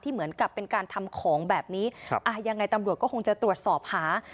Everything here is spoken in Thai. เหมือนกับเป็นการทำของแบบนี้ครับอ่ายังไงตำรวจก็คงจะตรวจสอบหา